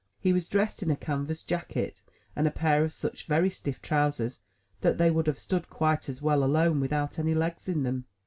He was dressed in a canvas jacket, and a pair of such very stiff trousers that they would have stood quite as well alone, without any legs in them.